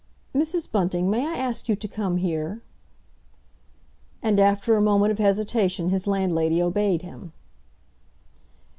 "Mrs. Bunting, may I ask you to come here?" And after a moment of hesitation his landlady obeyed him.